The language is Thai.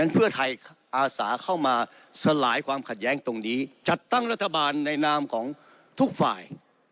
เพื่อไทยอาสาเข้ามาสลายความขัดแย้งตรงนี้จัดตั้งรัฐบาลในนามของทุกฝ่าย